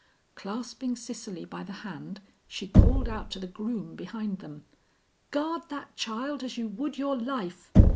Clasping Cicely by the hand, she called out to the groom behind them, "Guard that child as you would your life!"